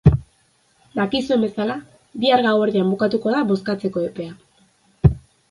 Dakizuen bezala, bihar gauerdian bukatuko da bozkatzeko epea.